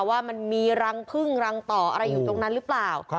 ว่ามันมีรังพึ่งรังต่ออะไรอยู่ตรงนั้นหรือเปล่า